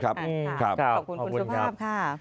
ขอบคุณครับ